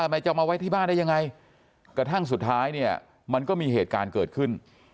มันจะเอามาไว้ที่บ้านได้ยังไงกระทั่งสุดท้ายเนี่ยมันก็มีเหตุการณ์เกิดขึ้น